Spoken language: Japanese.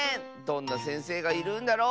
どんなせんせいがいるんだろ？